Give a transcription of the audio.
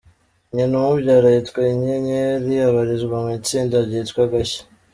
Nyina umubyara yitwa Inyenyeri abarizwa mu itsinda ryitwa Agashya.